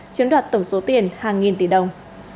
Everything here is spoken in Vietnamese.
chiếm đoạt tổng số tiền hàng nghìn tỷ đồng